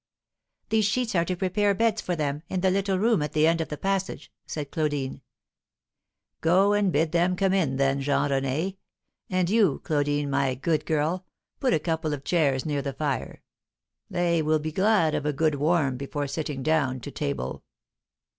"These sheets are to prepare beds for them, in the little room at the end of the passage," said Claudine. "Go and bid them come in, then, Jean René; and you, Claudine, my good girl, put a couple of chairs near the fire they will be glad of a good warm before sitting down to table."